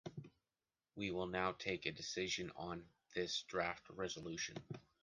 We will now take a decision on this draft resolution.